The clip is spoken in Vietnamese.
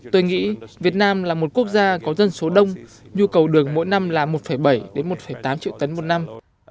tôi nghĩ việt nam là một quốc gia có dân số đông nhu cầu đường mỗi năm là một bảy một tám triệu tấn một năm